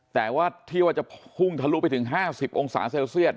แต่ว่าที่ว่าจะพุ่งทะลุไปถึง๕๐องศาเซลเซียต